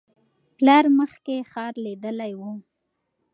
پلار مخکې ښار لیدلی و.